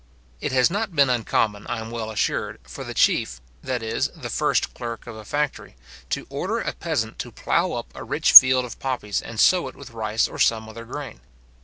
It has not been uncommon, I am well assured, for the chief, that is, the first clerk or a factory, to order a peasant to plough up a rich field of poppies, and sow it with rice, or some other grain.